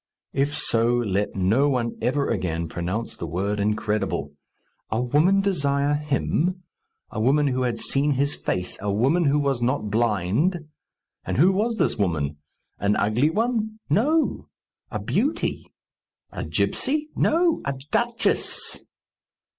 If so, let no one ever again pronounce the word incredible! A woman desire him! A woman who had seen his face! A woman who was not blind! And who was this woman? An ugly one? No; a beauty. A gipsy? No; a duchess!